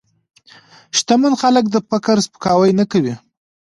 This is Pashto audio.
شتمن خلک د فقر سپکاوی نه کوي.